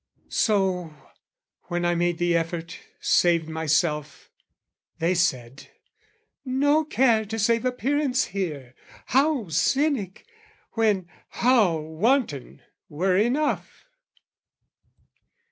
So, when I made the effort, saved myself, They said "No care to save appearance here! "How cynic, when, how wanton, were enough!"